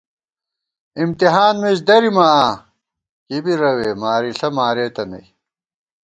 امتحان مِز درِمہ آں کی بی روے ، مارِݪہ مارېتہ نئ